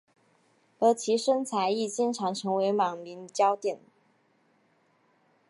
而其身材亦经常成为网民焦点。